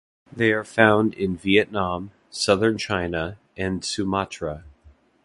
They are found in Vietnam, southern China, and Sumatra.